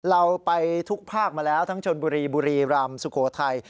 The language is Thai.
เราไปทุกภาคมาแล้วทั้งชนบุรีบุรีรำสุโขทัย